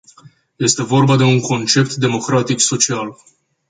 Este vorba de un concept democratic social.